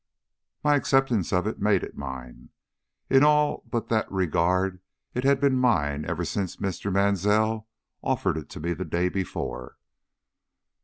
"My acceptance of it made it mine. In all but that regard it had been mine ever since Mr. Mansell offered it to me the day before."